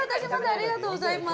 ありがとうございます。